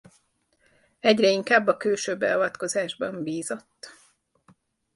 Egyre inkább a külső beavatkozásban bízott.